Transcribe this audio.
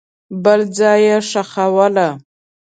بل ځای یې ښخوله.